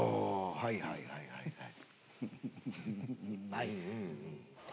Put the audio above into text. はいはいはいはいはい。